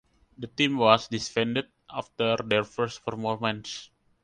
The team was disbanded after their first performance.